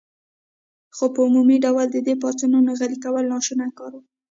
خو په عمومي ډول د دې پاڅونونو غلي کول ناشوني کار و.